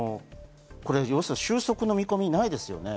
収束の見込みないですよね。